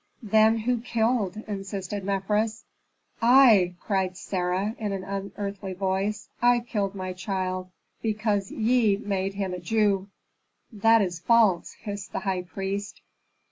"Then who killed?" insisted Mefres. "I!" cried Sarah, in an unearthly voice. "I killed my child, because ye made him a Jew." "That is false!" hissed the high priest.